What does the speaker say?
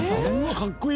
かっこいい！